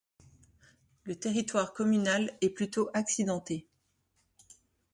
Le territoire communal est plutôt accidenté.